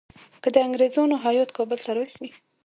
که د انګریزانو هیات کابل ته راشي.